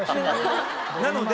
なので。